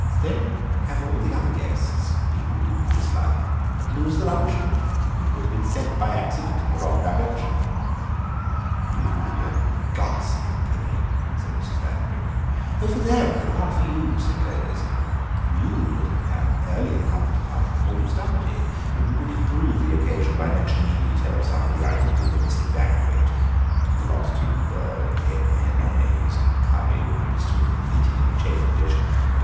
"Then have all the other guests, people whom you dislike, and lose the luncheon. It could have been sent by accident in the wrong direction." "It would be a ghastly picnic," said Mrs. Thackenbury. "For them, but not for you," said Clovis; "you would have had an early and comforting lunch before you started, and you could improve the occasion by mentioning in detail the items of the missing banquet—the lobster Newburg and the egg mayonnaise, and the curry that was to have been heated in a chafing dish.